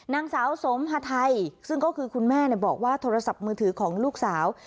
นางสาวสมฮาไทยซึ่งก็คือคุณแม่บอกว่าโทรศัพท์มือถือของลูกสาว